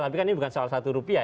tapi kan ini bukan salah satu rupiah